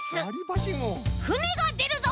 ふねがでるぞ！